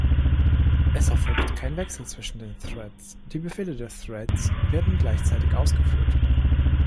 Es erfolgt kein Wechsel zwischen den Threads, die Befehle der Threads werden gleichzeitig ausgeführt.